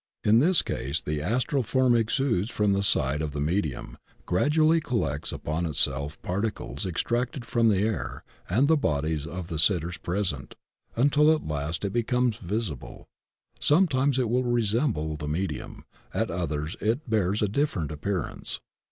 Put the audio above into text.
In this case the astral form exudes from the side of the medium, gradually collects upon itself particles extracted from Sie air and the bodies of the sitters present until at last it becomes visible. Sometimes it will resemble the medium; at others it bears a different appearance.